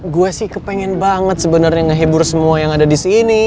gue sih kepengen banget sebenarnya ngehibur semua yang ada di sini